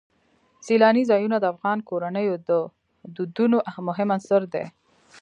سیلانی ځایونه د افغان کورنیو د دودونو مهم عنصر دی.